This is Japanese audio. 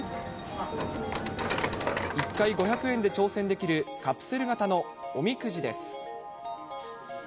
１回５００円で挑戦できる、カプセル型のおみくじです。